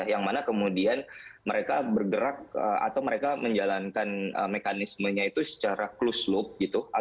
yang mana kemudian mereka bergerak atau mereka menjalankan mekanismenya itu secara close loop gitu